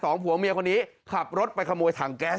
ผัวเมียคนนี้ขับรถไปขโมยถังแก๊ส